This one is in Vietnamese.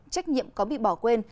trách nhiệm có bị bỏ quên